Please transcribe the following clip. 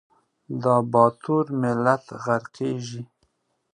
دا باتور ملت غرقیږي